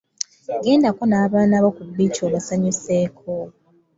Gendeko n’abaana bo ku bbiici obasanyuseeko.